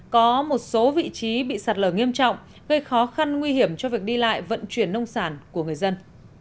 có một số vị trí bị sạt lở nghiêm trọng gây khó khăn nguy hiểm cho việc đi lại vận chuyển nông sản của người dân